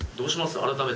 改めて。